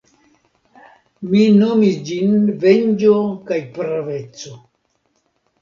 Mi nomis ĝin venĝo kaj praveco!